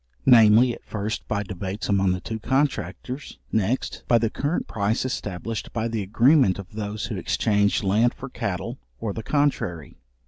Namely, at first by debates among the two contractors, next, by the current price established by the agreement of those who exchange land for cattle, or the contrary.